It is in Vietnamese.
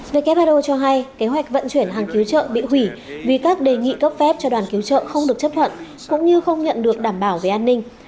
who cho hay kế hoạch vận chuyển hàng cứu trợ bị hủy vì các đề nghị cấp phép cho đoàn cứu trợ không được chấp thuận cũng như không nhận được đảm bảo về an ninh